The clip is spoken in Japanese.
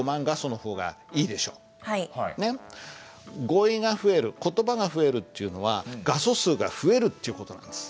語彙が増える言葉が増えるっていうのは画素数が増えるっていう事なんです。